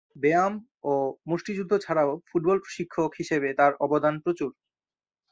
ব্যায়াম ও মুষ্টিযুদ্ধ ছাড়াও ফুটবল শিক্ষক হিসেবে তার অবদান প্রচুর।